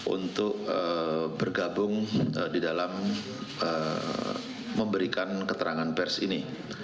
untuk bergabung di dalam memberikan keterangan pers ini